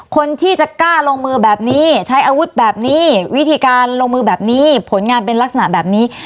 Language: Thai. คนที่จะกล้าลงมือแบบนี้ใช้อาวุธแบบนี้วิธีการลงมือแบบนี้ผลงานเป็นลักษณะแบบนี้